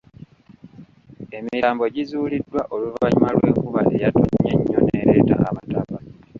Emirambo gizuuliddwa oluvannyuma lw'enkuba eyatonnye ennyo n'ereeta amataba.